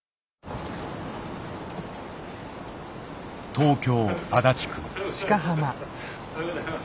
東京足立区。